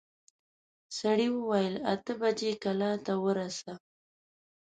سړي وويل اته بجې کلا ته ورسه.